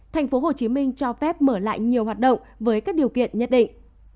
tp hcm cho phép mở lại nhiều hoạt động với các điều kiện nhất định